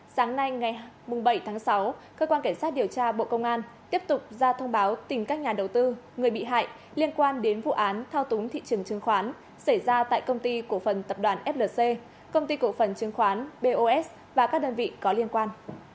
sáng nay ngày bảy tháng sáu cơ quan cảnh sát điều tra bộ công an tiếp tục ra thông báo tìm các nhà đầu tư người bị hại liên quan đến vụ án thao túng thị trường chứng khoán xảy ra tại công ty cổ phần tập đoàn flc công ty cổ phần chứng khoán bos và các đơn vị có liên quan